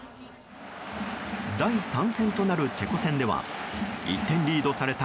第３戦となるチェコ戦では１点リードされた